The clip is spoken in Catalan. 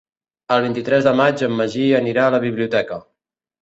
El vint-i-tres de maig en Magí anirà a la biblioteca.